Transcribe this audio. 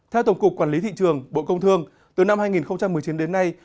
theo tổng cục quản lý thị trường bộ công thương từ năm hai nghìn một mươi chín đến nay